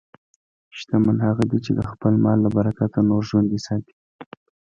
شتمن هغه دی چې د خپل مال له برکته نور ژوندي ساتي.